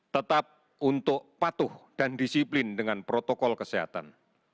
tetap untuk patuh dan disiplin dengan protokol kesehatan